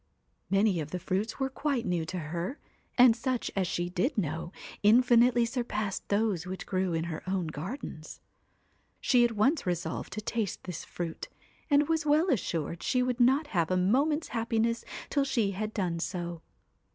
Many of the fruits were quite new to her, and such as she did know, in finitely surpassed those which grew in her own gardens. She at once resolved to taste this fruit, and was well assured she would not have a moment's happiness till she had done so.